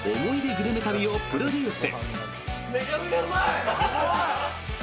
グルメ旅をプロデュース！